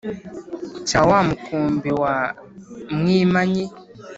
Cya wa mukumbi wa Mwimanyi